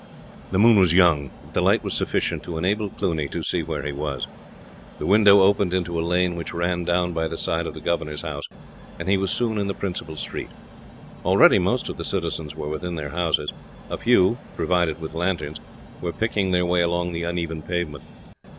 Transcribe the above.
The moon was young, but the light was sufficient to enable Cluny to see where he was. The window opened into a lane which ran down by the side of the governor's house, and he was soon in the principal street. Already most of the citizens were within their houses. A few, provided with lanterns, were picking their way along the uneven pavement.